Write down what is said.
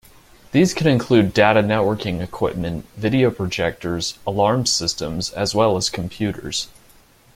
These can include data networking equipment, video projectors, alarm systems as well as computers.